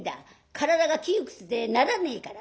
体が窮屈でならねえからな」。